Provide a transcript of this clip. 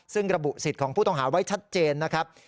ซึ่งระบุสิทธิ์ของผู้ต้องหาไว้ชัดเจนนะครับ